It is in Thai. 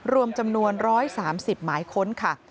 รวมจำนวน๑๓๐หมายค้นค่ะ